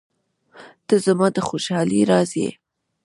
• ته زما د خوشحالۍ راز یې.